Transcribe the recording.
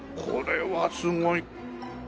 これはすごい。